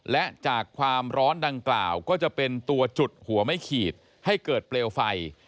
และจากความร้อนดังกล่าวก็จะเป็นตัวจุดหัวไม่ขีดให้เกิดเปลวไฟ